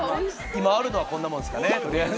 今あるのはこんなもんですかね。